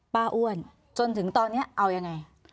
อ้วนจนถึงตอนนี้เอายังไง